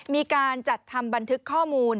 มีการจัดทำบันทึกข้อมูล